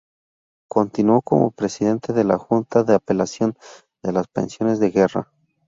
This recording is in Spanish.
Continuó como presidente de la Junta de Apelación de las pensiones de guerra.